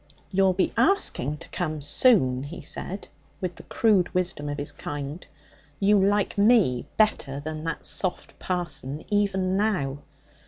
'You'll be asking to come soon,' he said, with the crude wisdom of his kind. 'You like me better than that soft parson even now.'